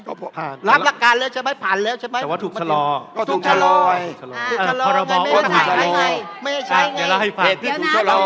รับหลักการแล้วใช่ไหม